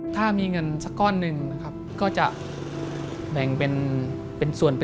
ถ้ามีเงินสักก้อนหนึ่งก็จะแบ่งเป็นส่วน